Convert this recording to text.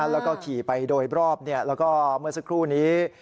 แล้วก็ขี่ไปโดยรอบแล้วก็เมื่อสักครู่นี้